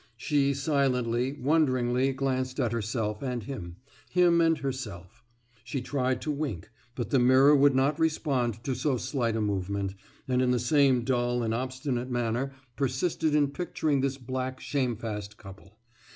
She silently, wonderingly glanced at herself and him, him and herself; she tried to wink but the mirror would not respond to so slight a movement, and in the same dull and obstinate manner persisted in picturing this black shamefast couple.